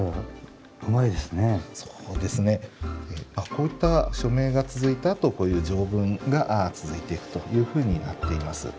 こういった署名が続いたあとこういう条文が続いていくというふうになっています。